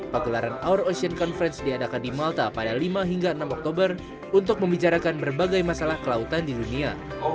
pagelaran our ocean conference diadakan di malta pada lima hingga enam oktober untuk membicarakan berbagai masalah kelautan di dunia